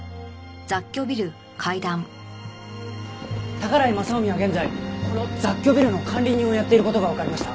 宝居雅臣は現在この雑居ビルの管理人をやっている事がわかりました。